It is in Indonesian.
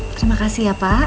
terima kasih ya pak